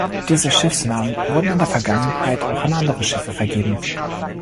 Diese Schiffsnamen wurden in der Vergangenheit auch an andere Schiffe vergeben.